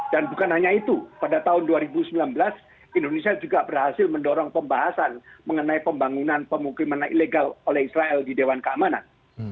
dan bukan hanya itu pada tahun dua ribu sembilan belas indonesia juga berhasil mendorong pembahasan mengenai pembangunan pemukiman ilegal oleh israel di dewan keamanan